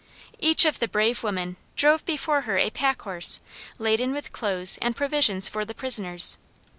Each of the brave women drove before her a pack horse, laden with clothes and provisions for the prisoners.